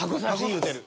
言うてる。